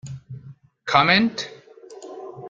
Comment?